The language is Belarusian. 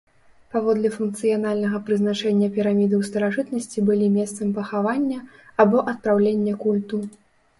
Паводле функцыянальнага прызначэння піраміды ў старажытнасці былі месцам пахавання, або адпраўлення культу.